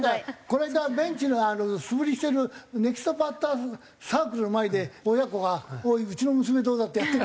この間ベンチの素振りしてるネクストバッターズサークルの前で親子が「おいうちの娘どうだ？」ってやって。